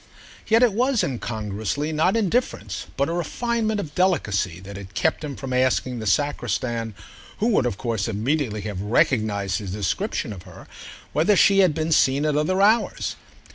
Yet it was, incongruously, not indifference, but a refinement of delicacy that had kept him from asking the sacristan, who would of course immediately have recognised his description of her, whether she had been seen at other hours.